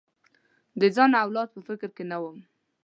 د ځان او اولاد په فکر کې نه وم.